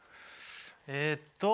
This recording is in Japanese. えっと